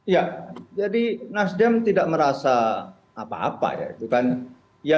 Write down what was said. ya jadi nasdem tidak merasa apa apa ya